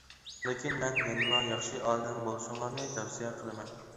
لېكىن، مەن يەنىلا ياخشى ئادەم بولۇشۇڭلارنى تەۋسىيە قىلىمەن.